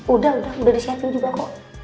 udah udah disiapin juga kok